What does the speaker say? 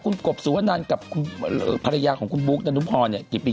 คุณกบสุวรรณานกับภรรยาของคุณบุ๊คดันทุ่มพอเนี่ย